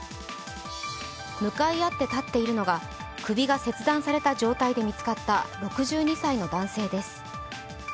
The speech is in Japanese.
向かい合って立っているのが首が切断された状態で見つかった６２歳の男性です。